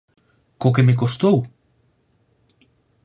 Co que me custou?